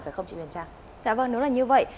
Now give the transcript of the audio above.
dạ vâng đúng là như vậy